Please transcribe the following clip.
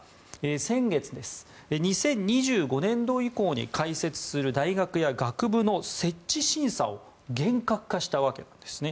先月、２０２５年度以降に開設する大学や学部の設置審査を厳格化したわけですね。